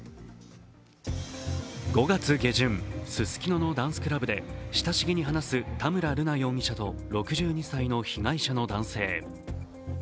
５月下旬、ススキノのダンスクラブで親しげに話す田村瑠奈容疑者と６２歳の被害者の男性。